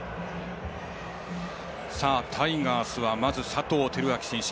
タイガースは、まず佐藤輝明選手。